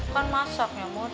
kan masak nyomud